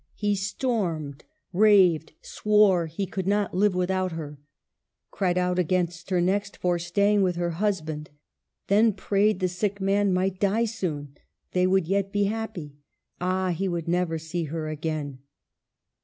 He stormed, raved, swore he could not live without her ; cried out against her next for staying with her husband. Then prayed the sick man might die soon ; they would yet be happy. Ah, he would never see her again